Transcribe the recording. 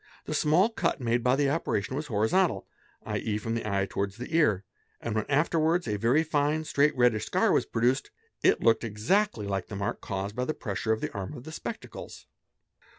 The small cut made by the operation was : horizontal, 7.e., from the eye towards the ear, and when afterwards a very fine, straight reddish scar was produced, it looked exactly lke a mark caused by the pressure of the arm of the spectacles.